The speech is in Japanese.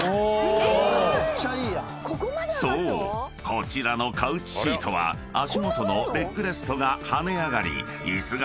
こちらのカウチシートは足元のレッグレストが跳ね上がり椅子が］